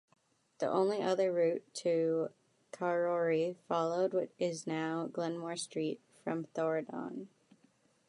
The only other route to Karori followed what is now Glenmore Street from Thorndon.